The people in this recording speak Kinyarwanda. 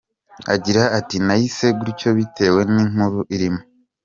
Agira ati “Nayise gutyo bitewe n’inkuru irimo.